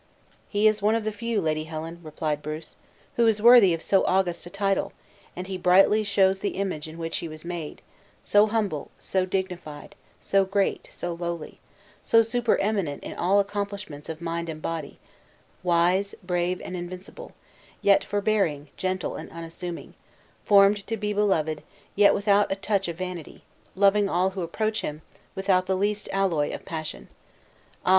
"He is one of the few, Lady Helen," replied Bruce, "who is worthy of so august a title; and he brightly shows the image in which he was made; so humble, so dignified, so great, so lowly; so super eminent in all accomplishments of mind and body; wise, brave, and invincible; yet forbearing, gentle, and unassuming; formed to be beloved, yet without a touch of vanity; loving all who approach him, without the least alloy of passion. Ah!